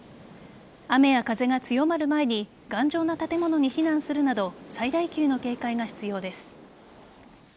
雨や風が強まる前に頑丈な建物に避難するなど最大級の警戒が必要です。